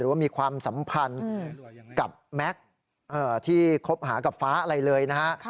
ว่ามีความสัมพันธ์กับแม็กซ์ที่คบหากับฟ้าอะไรเลยนะฮะ